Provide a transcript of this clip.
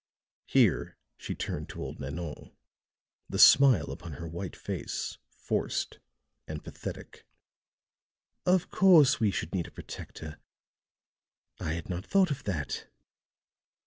Here she turned to old Nanon, the smile upon her white face forced and pathetic. "Of course we should need a protector. I had not thought of that.